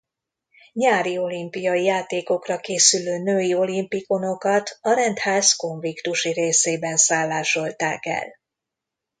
Nyári Olimpiai Játékokra készülő női olimpikonokat a rendház konviktusi részében szállásolták el.